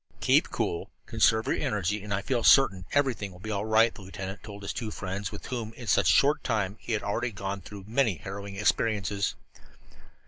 "Keep cool, conserve your energy, and I feel certain everything will be all right," the lieutenant told the two friends with whom, in such a short time, he already had gone through so many harrowing experiences.